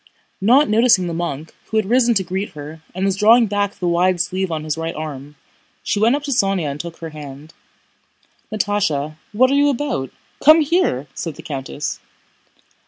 Not noticing the monk, who had risen to greet her and was drawing back the wide sleeve on his right arm, she went up to Sónya and took her hand. "Natásha, what are you about? Come here!" said the countess.